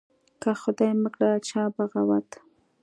که خدای مکړه چا بغاوت